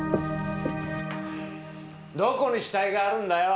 どこに死体があるんだよ！？